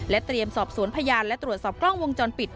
เตรียมสอบสวนพยานและตรวจสอบกล้องวงจรปิด